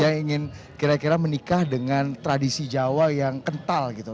yang ingin kira kira menikah dengan tradisi jawa yang kental gitu